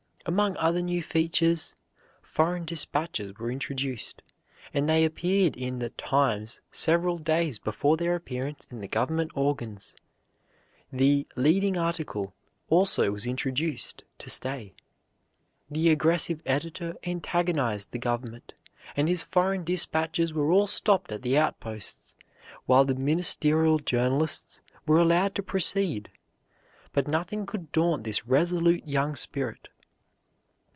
Among other new features foreign dispatches were introduced, and they appeared in the "Times" several days before their appearance in the government organs. The "leading article" also was introduced to stay. The aggressive editor antagonized the government, and his foreign dispatches were all stopped at the outposts, while the ministerial journalists were allowed to proceed. But nothing could daunt this resolute young spirit.